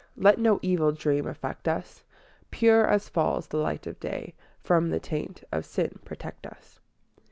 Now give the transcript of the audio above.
Let no evil dream affect us; Pure as falls the light of day, From the taint of sin protect us.